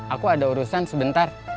aku ada urusan sebentar